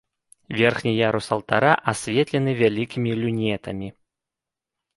Верхні ярус алтара асветлены вялікімі люнетамі.